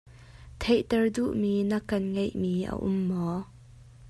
Theihter duhmi na kan ngeihmi a um maw?